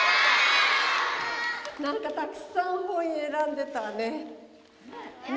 何かたくさん本選んでたわね。